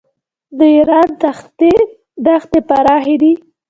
د ایران دښتې پراخې دي.